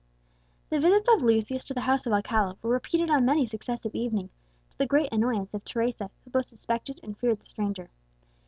The visits of Lucius to the house of Alcala were repeated on many successive evenings, to the great annoyance of Teresa, who both suspected and feared the stranger.